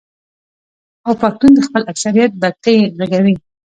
او پښتون د خپل اکثريت بګتۍ ږغوي.